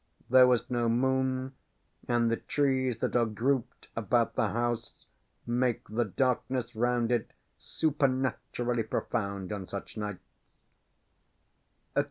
There was no moon, and the trees that are grouped about the house make the darkness round it supernaturally profound on such nights.